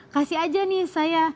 kasih aja nih saya